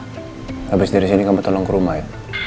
habis dari sini kamu tolong ke rumah ya